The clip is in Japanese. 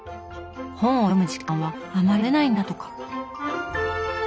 本を読む時間はあまりとれないんだとか。